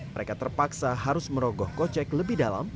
mereka terpaksa harus merogoh kocek lebih dalam